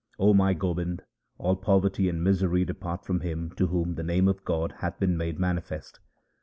O my Gobind, all poverty and misery depart from him to whom the name of God hath been made manifest.